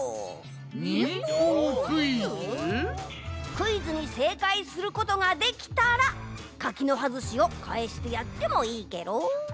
クイズにせいかいすることができたら柿の葉ずしをかえしてやってもいいケロ。